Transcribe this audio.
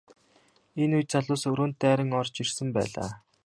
Энэ үед залуус өрөөнд дайран орж ирсэн байлаа.